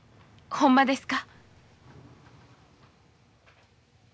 ほんまですか？